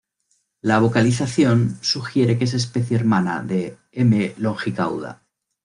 La vocalización sugiere que es especie hermana de "M. longicauda".